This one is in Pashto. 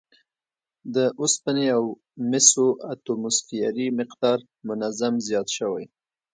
د اوسپنې او مسو اتوموسفیري مقدار منظم زیات شوی